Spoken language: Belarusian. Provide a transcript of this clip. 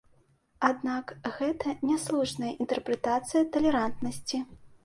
Аднак гэта няслушная інтэрпрэтацыя талерантнасці.